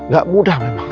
gak mudah memang